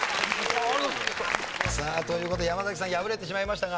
さあという事で山崎さん敗れてしまいましたが。